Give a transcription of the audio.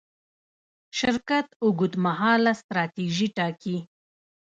شرکت اوږدمهاله ستراتیژي ټاکي.